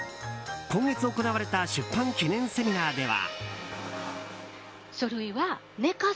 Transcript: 今月行われた出版記念セミナーでは。